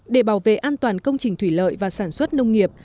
để bảo vệ an toàn công trình thủy lợi và sản xuất nông nghiệp